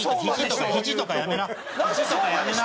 ひじとかやめな！